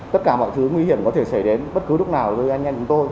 tất cả mọi thứ nguy hiểm có thể xảy đến bất cứ lúc nào như anh em chúng tôi